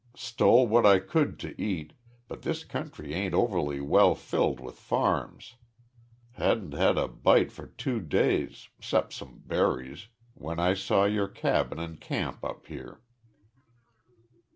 Stole what I could to eat, but this country ain't overly well filled with farms. Hadn't had a bite for two days, 'cept some berries, when I saw your cabin an' came up here."